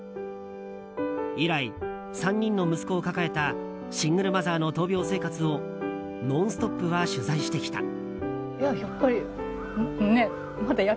以来、３人の息子を抱えたシングルマザーの闘病生活を「ノンストップ！」は取材してきた。